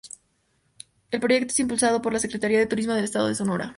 El proyecto es impulsado por la Secretaría de Turismo del estado de Sonora.